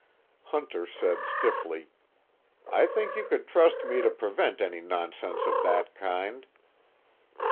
Hunter said stiffly: "I think you could trust me to prevent any nonsense of that kind."